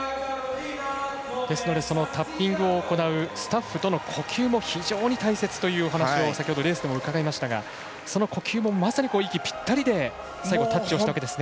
ですのでタッピングを行うスタッフとの呼吸も非常に大切というお話を先ほど伺いましたがその呼吸もまさに息ぴったりで最後、タッチをしたわけですね。